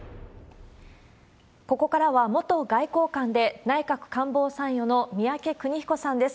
ここからは元外交官で、内閣官房参与の宮家邦彦さんです。